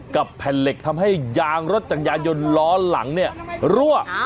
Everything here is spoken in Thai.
กับแผ่นเหล็กทำให้ยางรถจักรยานยนต์ล้อหลังเนี่ยรั่ว